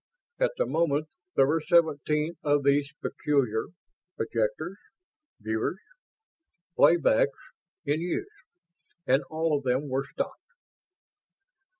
At the moment there were seventeen of those peculiar projectors? Viewers? Playbacks in use, and all of them were stopped.